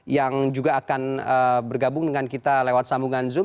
yang juga akan bergabung dengan kita lewat sambungan zoom